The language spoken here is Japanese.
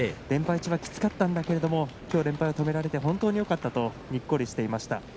連敗中はきつかったんですけれどきょう連敗を止められて本当によかったとにっこりしていました。